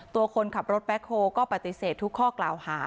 คนขับรถแบ็คโฮก็ปฏิเสธทุกข้อกล่าวหา